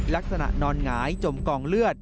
ลักษณะนอนหงายจมกลองเลือด